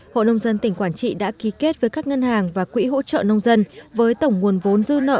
hội nông dân tỉnh quảng trị đã ký kết với các ngân hàng và quỹ hỗ trợ nông dân với tổng nguồn vốn dư nợ